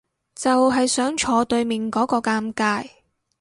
就係想坐對面嗰個尷尬